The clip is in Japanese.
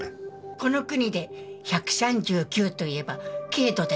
この国で１３９といえば経度でしょ。